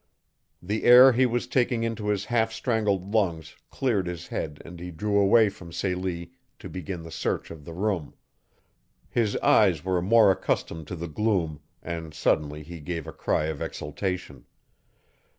The air he was taking into his half strangled lungs cleared his head and he drew away from Celie to begin the search of the room. His eyes were more accustomed to the gloom, and suddenly he gave a cry of exultation.